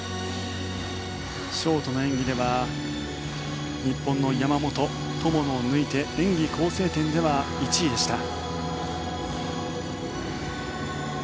ショートの演技では日本の山本、友野を抜いて演技構成点では１位でした。